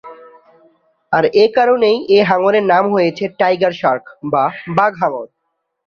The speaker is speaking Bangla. আর এ কারণেই এ হাঙ্গরের নাম হয়েছে টাইগার শার্ক বা বাঘ হাঙ্গর।